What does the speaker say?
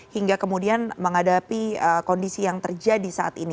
hingga kemudian menghadapi kondisi yang terjadi saat ini